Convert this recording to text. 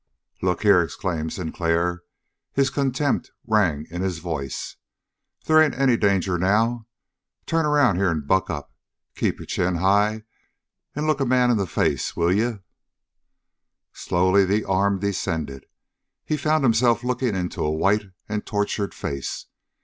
"Look here!" exclaimed Sinclair. His contempt rang in his voice. "They ain't any danger now. Turn around here and buck up. Keep your chin high and look a man in the face, will you?" Slowly the arm descended. He found himself looking into a white and tortured face.